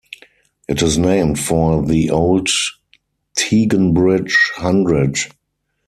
It is named for the old Teignbridge hundred.